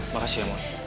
makasih ya mon